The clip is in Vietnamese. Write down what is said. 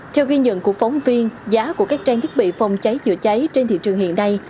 theo ghi nhận của phóng viên giá của các trang thiết bị phòng cháy chữa cháy trên thị trường hiện nay